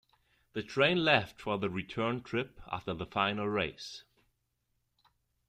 The train left for the return trip after the final race.